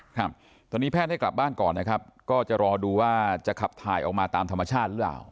ครับตอนนี้แพทย์ให้กลับบ้านก่อนนะครับก็จะรอดูว่าจะขับถ่ายออกมาตามธรรมชาติหรือเปล่า